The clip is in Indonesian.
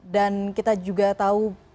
dan kita juga tahu